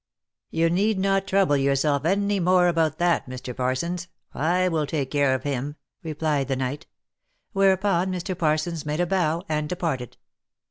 " You need not trouble yourself any more about that, Mr. Parsons. I will take care of him," replied the knight. Whereupon Mr. Parsons made a bow, and departed.